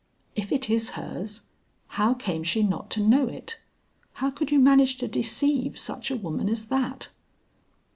"If it is hers, how came she not to know it? How could you manage to deceive such a woman as that?"